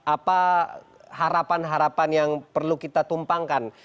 apa harapan harapan yang perlu kita tumpangkan